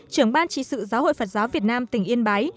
trưởng ban trị sự giáo hội phật giáo việt nam tỉnh yên bái